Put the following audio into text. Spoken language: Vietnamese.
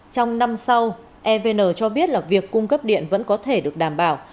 trong năm sau evn cho biết là việc cung cấp điện vẫn có thể được đảm bảo